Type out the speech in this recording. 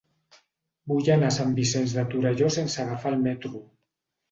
Vull anar a Sant Vicenç de Torelló sense agafar el metro.